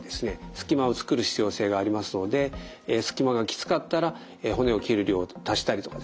隙間を作る必要性がありますので隙間がきつかったら骨を切る量を足したりとかですね